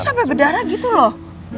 itu sampe berdarah gitu loh